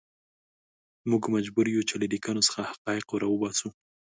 موږ مجبور یو چې له لیکنو څخه حقایق راوباسو.